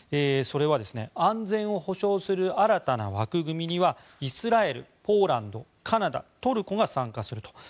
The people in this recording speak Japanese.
それは安全を保証する新たな枠組みにはイスラエル、ポーランドカナダ、トルコが参加すると。